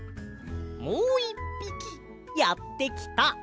もう１ぴきやってきた。